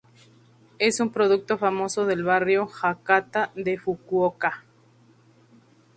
Es un producto famoso del barrio Hakata de Fukuoka.